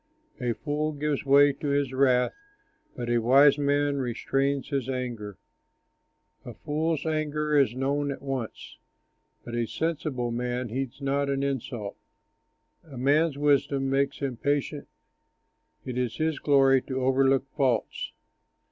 A fool gives way to his wrath, But a wise man restrains his anger. A fool's anger is known at once, But a sensible man heeds not an insult. A man's wisdom makes him patient, It is his glory to overlook faults.